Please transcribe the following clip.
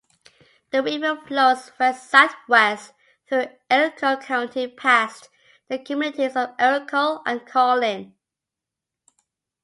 The river flows west-southwest through Elko County past the communities of Elko and Carlin.